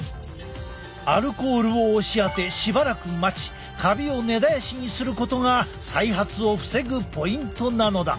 アルコールを押しあてしばらく待ちカビを根絶やしにすることが再発を防ぐポイントなのだ。